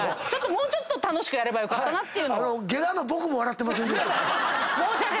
もうちょっと楽しくやればよかったなって。